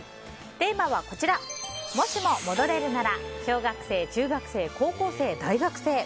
テーマは、もしも戻れるなら小学生・中学生・高校生・大学生。